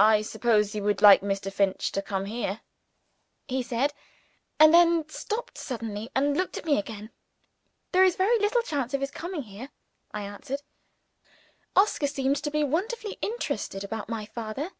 "I suppose you would like Mr. Finch to come here?" he said and then stopped suddenly, and looked at me again. "There is very little chance of his coming here," I answered. Oscar seemed to be wonderfully interested about my father.